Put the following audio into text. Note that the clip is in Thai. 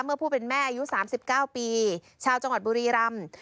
ผู้เป็นแม่อายุ๓๙ปีชาวจังหวัดบุรีรำ